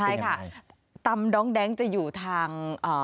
ใช่ค่ะตำน้องแดงจะอยู่ทาง